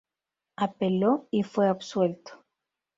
Apeló y fue absuelto.